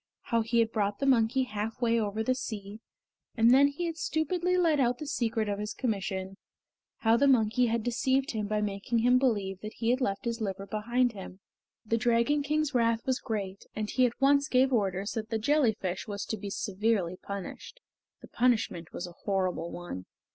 How he had brought the monkey half way over the sea, and then had stupidly let out the secret of his commission; how the monkey had deceived him by making him believe that he had left his liver behind him. The Dragon King's wrath was great, and he at once gave orders that the jellyfish was to be severely punished. The punishment was a horrible one.